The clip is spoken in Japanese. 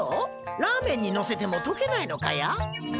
ラーメンにのせても解けないのかや？